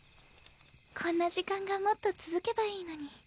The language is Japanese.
こんな時間がもっと続けばいいのに。